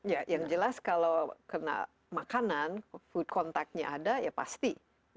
ya yang jelas kalau kena makanan food contactnya ada ya pasti